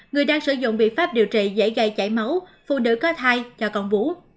người đang sử dụng biện pháp điều trị dễ gây chảy máu phụ nữ có thai cho con bú